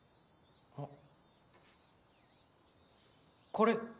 これ。